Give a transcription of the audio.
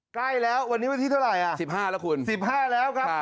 ใกล้แล้ววันนี้วันที่เท่าไหร่สิบห้าแล้วคุณสิบห้าแล้วครับ